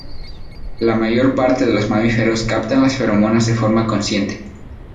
La mayor parte de los mamíferos captan las feromonas de forma consciente.